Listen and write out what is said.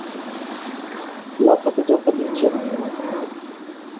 লাফাতে ঝাঁপাতে ইচ্ছা হয় না।